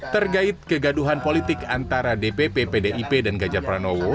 tergait kegaduhan politik antara dpp pdip dan ganjar pranowo